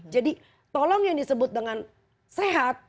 jadi tolong yang disebut dengan sehat